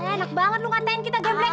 enak banget lu ngatain kita geblek